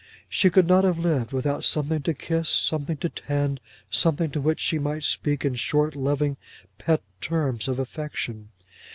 She could not have lived without something to kiss, something to tend, something to which she might speak in short, loving, pet terms of affection.